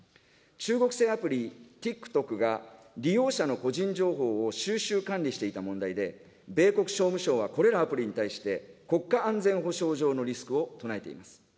中国製アプリ、ｔｉｋｔｏｋが、利用者の個人情報を収集管理していた問題で、米国商務省はこれらアプリに対して、国家安全保障上のリスクを唱えています。